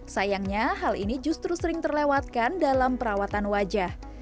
sayangnya hal ini justru sering terlewatkan dalam perawatan wajah